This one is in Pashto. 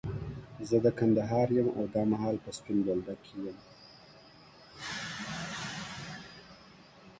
زه د کندهار يم، او دا مهال په سپين بولدک کي يم.